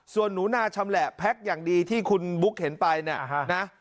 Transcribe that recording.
ส่วนหนูนาชำแหละแพ็คอย่างดีที่คุณบุ๊กเห็นไปเนี่ยนะ